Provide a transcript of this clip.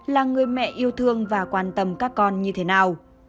là người mẹ yêu thương và quan tâm các con như thế nào